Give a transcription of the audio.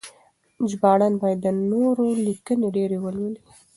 ژباړن باید د نورو لیکنې ډېرې ولولي.